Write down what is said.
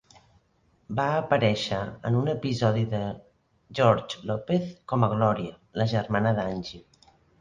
Va aparèixer en un episodi de George Lopez com a Glòria, la germana d'Angie.